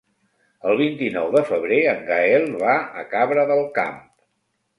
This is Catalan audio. El vint-i-nou de febrer en Gaël va a Cabra del Camp.